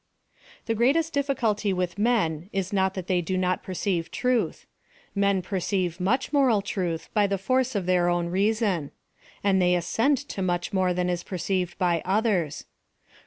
The greatest difficulty with men is not thai they do not perceive truth. Men perceive much moral truth by the force of their own reason ; and they assent to much more that is perceived by others.